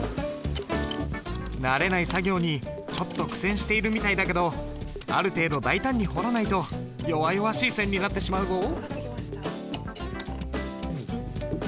慣れない作業にちょっと苦戦しているみたいだけどある程度大胆に彫らないと弱々しい線になってしまうぞ。